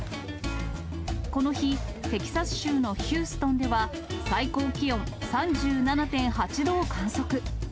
この日、テキサス州のヒューストンでは、最高気温３７．８度を観測。